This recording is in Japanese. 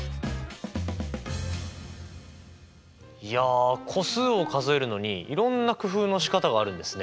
いや個数を数えるのにいろんな工夫のしかたがあるんですね。